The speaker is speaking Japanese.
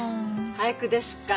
俳句ですか？